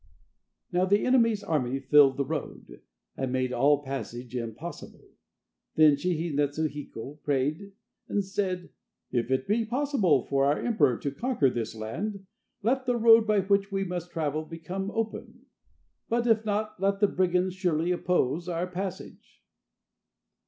Now the enemy's army filled the road, and made all passage impossible. Then Shihi netsu hiko prayed, and said: "If it will be possible for our emperor to conquer this land, let the road by which we must travel become open. But if not, let the brigands surely oppose our passage."